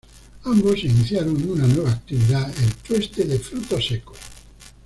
Ambos se iniciaron en una nueva actividad, el tueste de frutos secos.